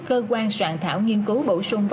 cơ quan soạn thảo nghiên cứu bổ sung